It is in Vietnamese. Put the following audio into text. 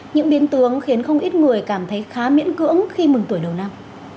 những biến tướng khiến không ít người cảm thấy khá miễn cưỡng khi mừng tuổi đầu năm